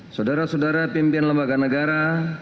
saudara saudara pimpinan lembaga negara